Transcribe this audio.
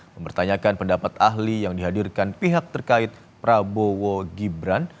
mempertanyakan pendapat ahli yang dihadirkan pihak terkait prabowo gibran